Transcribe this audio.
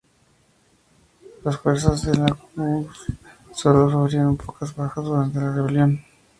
Las fuerzas de la K.u.K solo sufrieron unas pocas bajas durante la rebelión.